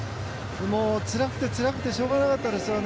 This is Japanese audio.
つらくてつらくてしょうがなかったですよね。